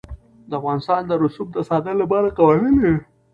افغانستان د رسوب د ساتنې لپاره قوانین لري.